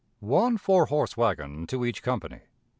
One four horse wagon to each company.